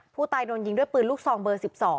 ผู้ตายโดนยิงด้วยปืนลูกซองเบอร์๑๒